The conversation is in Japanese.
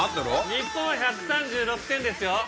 日本は１３６点ですよ。